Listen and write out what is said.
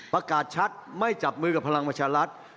ประกาศชัดไม่จับมือกับพลังประชารัฐ